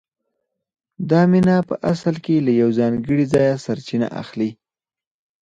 دا مینه په اصل کې له یو ځانګړي ځایه سرچینه اخلي